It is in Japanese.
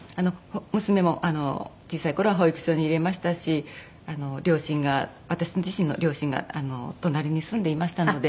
娘も小さい頃は保育所に入れましたし両親が私自身の両親が隣に住んでいましたので。